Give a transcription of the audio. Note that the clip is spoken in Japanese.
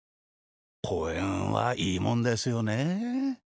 こうえんはいいもんですよねえ。